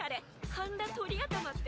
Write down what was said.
半裸鳥頭って。